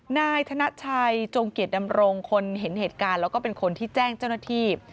นายธนชัยจงเกียจดำรงคนเห็นเหตุการณ์แล้วก็เป็นคนที่แจ้งเจ้าหน้าที่